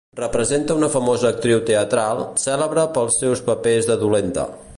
Representa una famosa actriu teatral, cèlebre pels seus papers de dolenta.